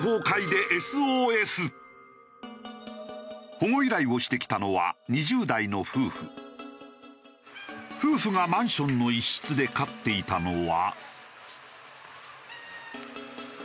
保護依頼をしてきたのは夫婦がマンションの一室で飼っていたのは。